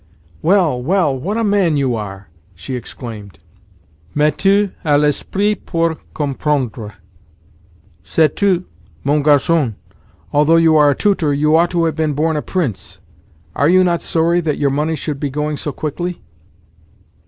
"Well, well, what a man you are!" she exclaimed. "Mais tu as l'esprit pour comprendre. Sais tu, mon garçon, although you are a tutor, you ought to have been born a prince. Are you not sorry that your money should be going so quickly?"